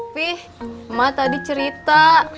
fi emak tadi cerita